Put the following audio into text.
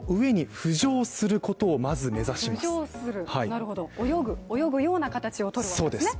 浮上する、泳ぐような形をとるわけですね。